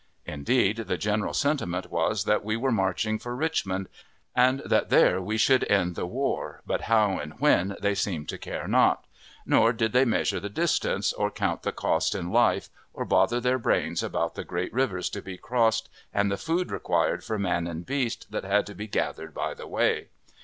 Indeed, the general sentiment was that we were marching for Richmond, and that there we should end the war, but how and when they seemed to care not; nor did they measure the distance, or count the cost in life, or bother their brains about the great rivers to be crossed, and the food required for man and beast, that had to be gathered by the way.